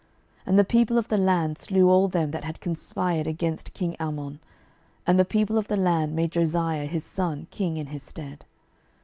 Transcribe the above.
12:021:024 And the people of the land slew all them that had conspired against king Amon; and the people of the land made Josiah his son king in his stead.